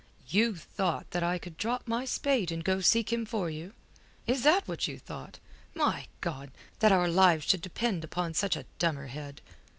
"You thought that I could drop my spade and go and seek him for you? Is that what you thought? My God! that our lives should depend upon such a dummerhead.